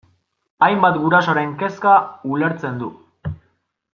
Hainbat gurasoren kezka ulertzen du.